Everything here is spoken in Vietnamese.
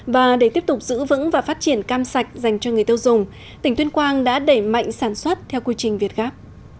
và để tiếp tục giữ vững và phát triển cam sạch dành cho người tiêu dùng tỉnh tuyên quang đã đẩy mạnh sản xuất theo quy trình việt gáp